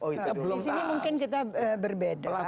di sini mungkin kita berbeda